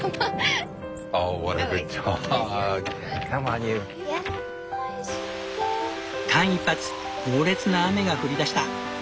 間一髪猛烈な雨が降りだした。